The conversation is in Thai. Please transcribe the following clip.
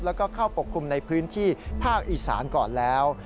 แล้วก็เข้าปกคลุมในพื้นที่ภาคอีสานก่อนแล้ว